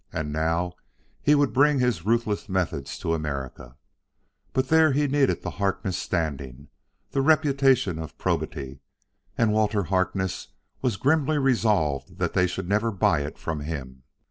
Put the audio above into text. And now he would bring his ruthless methods to America. But there he needed the Harkness standing, the reputation for probity and Walter Harkness was grimly resolved that they should never buy it from him.